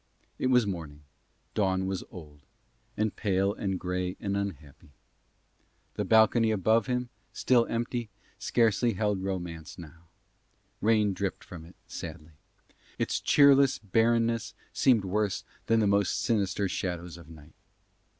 It was morning; dawn was old; and pale and grey and unhappy. The balcony above him, still empty, scarcely even held romance now. Rain dripped from it sadly. Its cheerless bareness seemed worse than the most sinister shadows of night.